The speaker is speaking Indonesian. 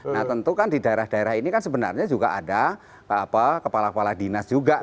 nah tentu kan di daerah daerah ini kan sebenarnya juga ada kepala kepala dinas juga